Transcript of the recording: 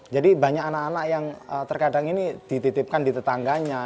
jadi banyak anak anak yang terkadang ini dititipkan di tetangganya